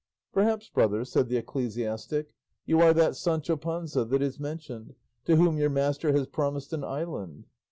"Perhaps, brother," said the ecclesiastic, "you are that Sancho Panza that is mentioned, to whom your master has promised an island?"